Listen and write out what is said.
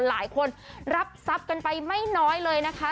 หลายคนรับทรัพย์กันไปไม่น้อยเลยนะคะ